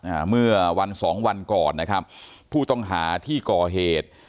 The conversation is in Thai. อ่าเมื่อวันสองวันก่อนนะครับผู้ต้องหาที่ก่อเหตุ